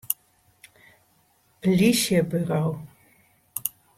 Plysjeburo.